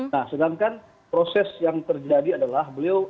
nah sedangkan proses yang terjadi adalah beliau